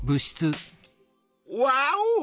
ワオ！